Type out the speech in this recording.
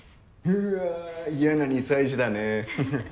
うわ嫌な２歳児だねふふっ。